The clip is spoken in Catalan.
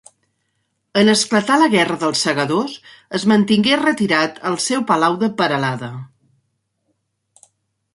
En esclatar la guerra dels Segadors, es mantingué retirat al seu palau de Peralada.